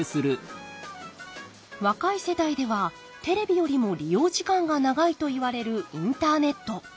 若い世代ではテレビよりも利用時間が長いといわれるインターネット。